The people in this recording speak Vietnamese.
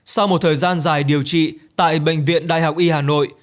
sau một thời gian dài điều trị tại bệnh viện đại học y hà nội